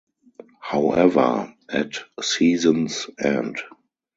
However, at season's end.